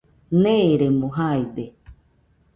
Neeremo jaide.